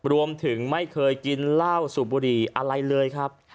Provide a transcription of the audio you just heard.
รวมถึงไม่เคยกินเหล้าสูบบุหรี่อะไรเลยครับ